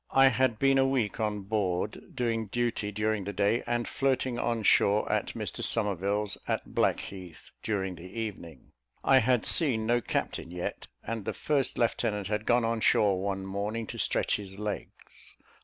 I had been a week on board, doing duty during the day and flirting on shore, at Mr Somerville's, at Blackheath, during the evening. I had seen no captain yet, and the first lieutenant had gone on shore one morning to stretch his legs.